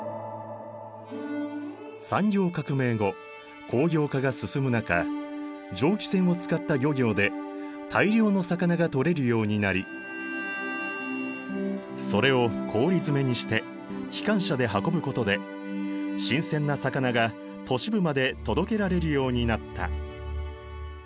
産業革命後工業化が進む中蒸気船を使った漁業で大量の魚が取れるようになりそれを氷詰めにして機関車で運ぶことで新鮮な魚が都市部まで届けられるようになった。